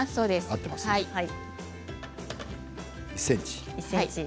１ｃｍ。